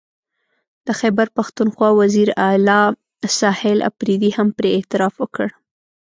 د خیبر پښتونخوا وزیر اعلی سهیل اپريدي هم پرې اعتراف وکړ